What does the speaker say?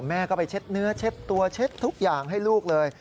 แม่ก็ไปเช็ดเนื้อเช็ดตัวเช็ดทุกอย่างให้ลูกเลย